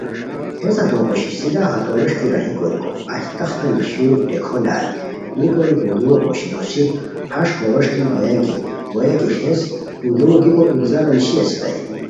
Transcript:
ہیس ہتو پوشی سیدھا ہتو ووݰکی راہی کوریکو، ایہہ تختہ نیشیرو ٹیکھو لال یُوکوری پردومو پوشی، ہوسی ہݰ ہو وݰکی گویان کی گُویا کی ہیس پردومو گیکو انتظارا نیشی اسیتائے